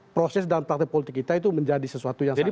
proses dan praktik politik kita itu menjadi sesuatu yang sangat penting